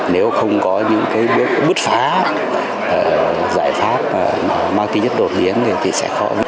nếu không có những cái bước phá giải pháp mang tính nhất đột biến thì sẽ khó